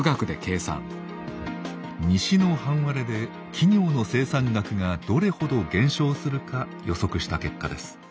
西の半割れで企業の生産額がどれほど減少するか予測した結果です。